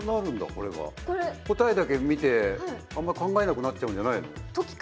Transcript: これが答えだけ見てあんま考えなくなっちゃうんじゃないの？